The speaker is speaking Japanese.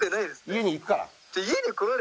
家に行くから。